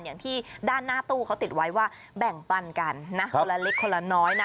อย่างที่ด้านหน้าตู้เขาติดไว้ว่าแบ่งปันกันนะคนละเล็กคนละน้อยนะ